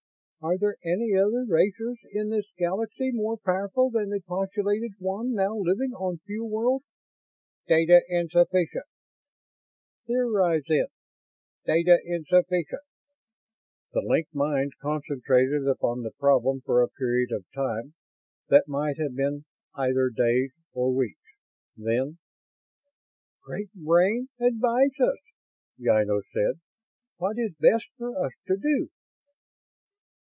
"Are there any other races in this Galaxy more powerful than the postulated one now living on Fuel World?" "Data insufficient." "Theorize, then!" "Data insufficient." The linked minds concentrated upon the problem for a period of time that might have been either days or weeks. Then: "Great Brain, advise us," Ynos said. "What is best for us to do?"